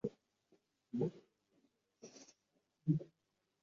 Bu uchun boshqa tomonga ketishdi.